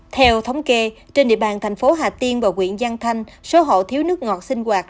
theo thống kê trên địa bàn thành phố hà tiên và quyện giang thanh số hộ thiếu nước ngọt sinh hoạt